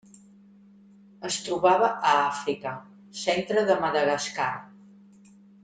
Es trobava a Àfrica: centre de Madagascar.